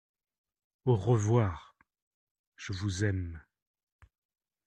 Au revoir !… je vous aime !